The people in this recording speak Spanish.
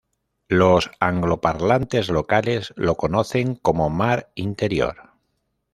Los angloparlantes locales lo conocen como "mar interior".